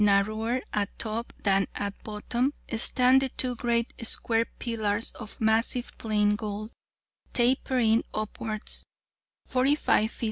narrower at top than at bottom, stand the two great square pillars of massive plain gold, tapering upwards, 45 ft.